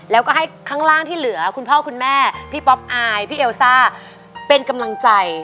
แล้วก็ให้ข้างล่างที่เหลือคุณพ่อคุณแม่พี่ป๊อปอายพี่เอลซ่าเป็นกำลังใจ